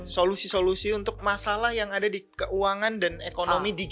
solusi solusi untuk masalah yang ada di keuangan dan ekonomi digital